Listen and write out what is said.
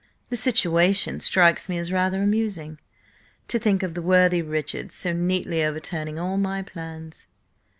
The situation strikes me as rather amusing. To think of the worthy Richard so neatly overturning all my plans!"